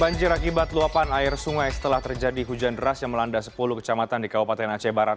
banjir akibat luapan air sungai setelah terjadi hujan deras yang melanda sepuluh kecamatan di kabupaten aceh barat